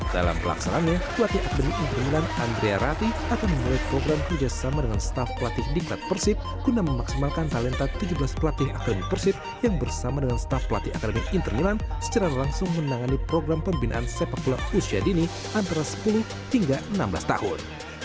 dalam pelaksanaannya pelatih akademi inter milan andrea rati akan memulai program kerjasama dengan staff pelatih diklat persib guna memaksimalkan talenta tujuh belas pelatih akademi persib yang bersama dengan staff pelatih akademi inter milan secara langsung menangani program pembinaan sepak bola usia dini antara sepuluh hingga enam belas tahun